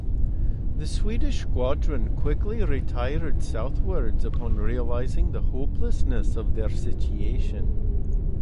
The Swedish squadron quickly retired southwards upon realizing the hopelessness of their situation.